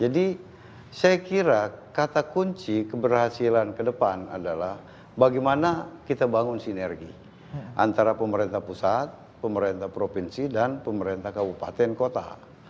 jadi saya kira kata kunci keberhasilan ke depan adalah bagaimana kita bangun sinergi antara pemerintah pusat pemerintah provinsi dan pemerintah kabupaten kota